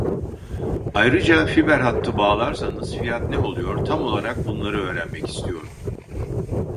Ayrıca fiber hattı bağlarsanız fiyat ne oluyor tam olarak bunları öğrenmek istiyorum